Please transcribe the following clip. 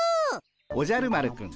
おじゃる丸くん